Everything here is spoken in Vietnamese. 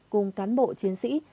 cùng cán bộ chiến sĩ